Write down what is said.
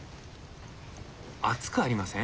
暑くありません？